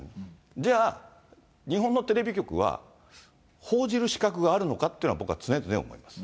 じゃあ、日本のテレビ局は報じる資格があるのかっていうのは、僕は常々思います。